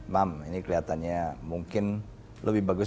mam ini kelihatannya mungkin lebih bagus